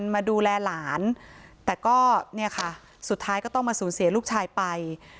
มาดูแลหลานแต่ก็เนี่ยค่ะสุดท้ายก็ต้องมาสูญเสียลูกชายไป